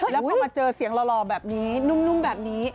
แล้วพอมาเจอเสียงหล่อแบบนี้นุ่มแบบนี้